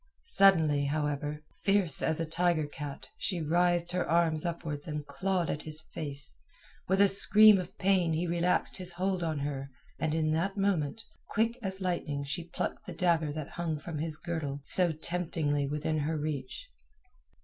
Suddenly, however, fierce as a tiger cat she writhed her arms upwards and clawed at his face. With a scream of pain he relaxed his hold of her and in that moment, quick as lightning she plucked the dagger that hung from his girdle so temptingly within her reach.